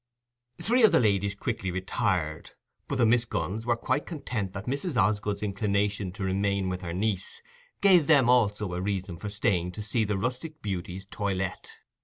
Three of the ladies quickly retired, but the Miss Gunns were quite content that Mrs. Osgood's inclination to remain with her niece gave them also a reason for staying to see the rustic beauty's toilette.